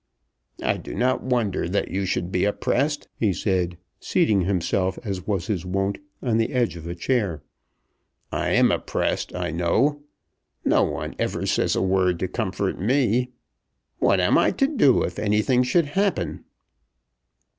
"I do not wonder that you should be oppressed," he said, seating himself, as was his wont, on the edge of a chair. "I am oppressed, I know. No one ever says a word to comfort me. What am I to do if anything should happen?"